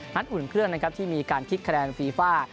อุ่นเครื่องนะครับที่มีการคิดคะแนนฟีฟ่า